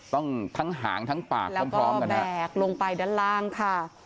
ทั้งหางทั้งปากพร้อมกันแบกลงไปด้านล่างค่ะ